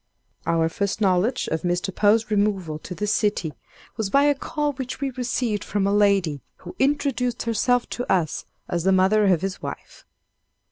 Our first knowledge of Mr. Poe's removal to this city was by a call which we received from a lady who introduced herself to us as the mother of his wife.